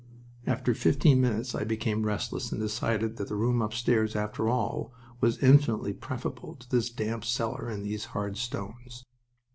After fifteen minutes I became restless, and decided that the room upstairs, after all, was infinitely preferable to this damp cellar and these hard stones.